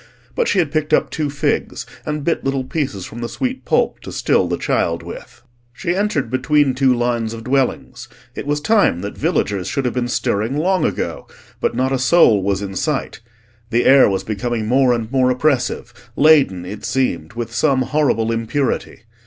But she had picked up two figs, and bit little pieces from the sweet pulp to still the child with. She entered between two lines of dwellings. It was time that villagers should have been stirring long ago, but not a soul was in sight. The air was becoming more and more oppressive, laden, it seemed, with some horrible impurity.